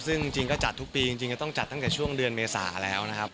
ซึ่งจริงก็จัดทุกปีจริงก็ต้องจัดตั้งแต่ช่วงเดือนเมษาแล้วนะครับ